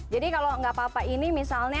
jadi kalau enggak apa apa ini misalnya